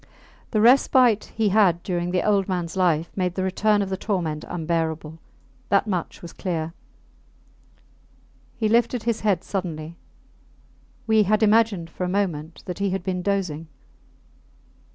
The respite he had during the old mans life made the return of the torment unbearable. That much was clear. He lifted his head suddenly; we had imagined for a moment that he had been dozing.